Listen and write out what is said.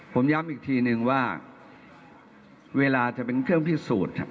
ผมย้ำอีกทีนึงว่าเวลาจะเป็นเครื่องพิสูจน์ครับ